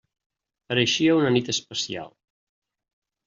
Pareixia una nit especial.